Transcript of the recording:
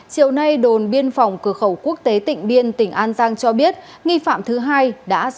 chiều nay đồn biên phòng cửa khẩu quốc tế tỉnh biên tỉnh an giang cho biết nghi phạm thứ hai đã ra đầu thú